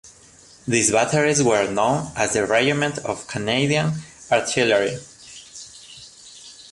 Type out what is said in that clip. These batteries were known as the Regiment of Canadian Artillery.